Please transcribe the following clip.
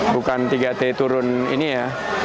bukan tiga t turun ini ya